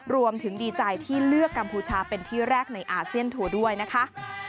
ดีใจที่เลือกกัมพูชาเป็นที่แรกในอาเซียนทัวร์ด้วยนะคะ